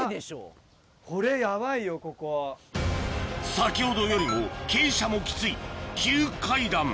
先ほどよりも傾斜もきつい急階段